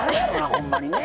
ほんまにね。